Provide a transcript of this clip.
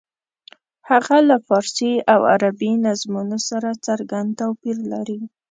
هغه له فارسي او عربي نظمونو سره څرګند توپیر لري.